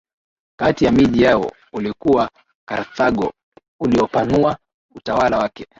kati ya miji yao ulikuwa Karthago uliopanua utawala wake